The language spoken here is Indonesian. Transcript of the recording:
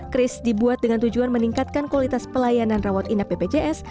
kris dibuat dengan tujuan meningkatkan kualitas pelayanan rawat inap bpjs